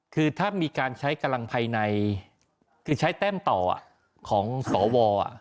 คือถ้ามีการใช้กำลังภายในคือใช้แต้มต่อของสว